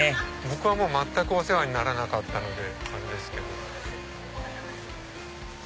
僕はお世話にならなかったのであれですけど。